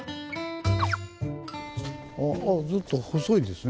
あずっと細いですね。